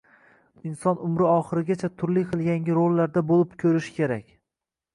Inson umri oxirigacha turli xil yangi rollarda bõlib kõrishi kerak